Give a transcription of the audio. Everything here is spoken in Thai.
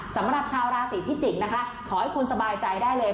สำหรับชาวราศีพิจิกษ์นะคะขอให้คุณสบายใจได้เลย